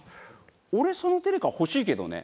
俺そのテレカ欲しいけどね。